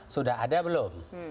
sudah ada belum